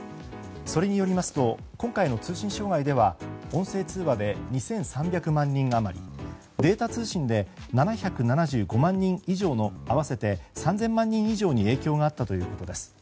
それによりますと今回の通信障害では音声通話で２３００万人余りデータ通信で７７５万人以上の合わせて３０００万人以上に影響があったということです。